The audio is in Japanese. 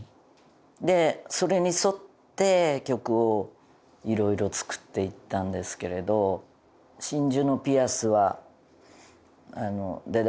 でそれに沿って曲をいろいろ作っていったんですけれど『真珠のピアス』は。